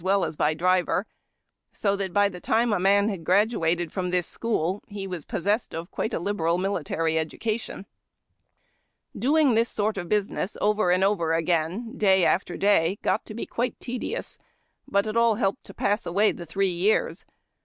183 well as driver, so that by the time a man liad graduated from this school he was possessed of quite a liberal military education. Doiug this sort of business over and over again, day after day, got to be quite tedious, but it all helped to pass away the three years.